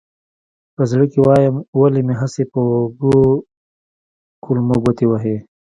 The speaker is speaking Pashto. په زړه کې وایم ولې مې هسې په وږو کولمو ګوتې وهې.